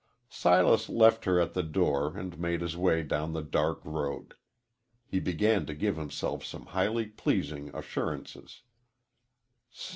Silas left her at the door and made his way down the dark road. He began to give himself some highly pleasing assurances.